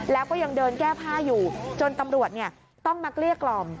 แล้วก็ยังเดินแก้ผ้าอยู่จนตำรวจต้องมาเกลี้ยกล่อม